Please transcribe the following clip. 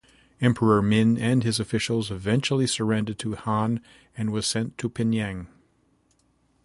Emperor Min and his officials eventually surrendered to Han and was sent to Pingyang.